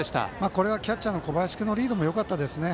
これはキャッチャーの小林君のリードも見事でしたね。